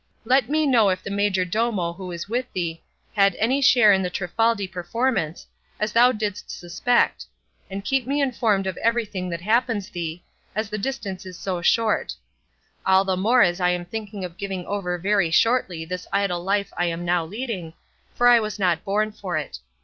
Let me know if the majordomo who is with thee had any share in the Trifaldi performance, as thou didst suspect; and keep me informed of everything that happens thee, as the distance is so short; all the more as I am thinking of giving over very shortly this idle life I am now leading, for I was not born for it.